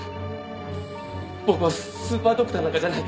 僕はスーパードクターなんかじゃない。